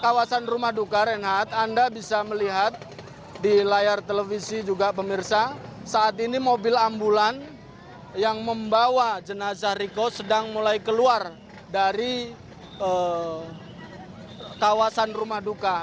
kawasan rumah duka reinhardt anda bisa melihat di layar televisi juga pemirsa saat ini mobil ambulan yang membawa jenazah riko sedang mulai keluar dari kawasan rumah duka